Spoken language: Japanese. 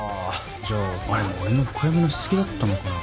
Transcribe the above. じゃああれも俺の深読みのしすぎだったのかな。